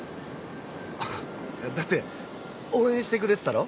あっだって応援してくれてたろ？